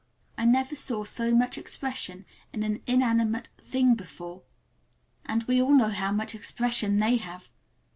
I never saw so much expression in an inanimate thing before, and we all know how much expression they have!